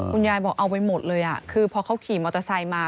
คุณยายบอกเอาไปหมดเลยคือพอเขาขี่มอเตอร์ไซค์มา